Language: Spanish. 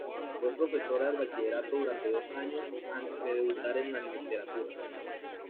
Fue profesora de bachillerato durante dos años antes de debutar en la literatura.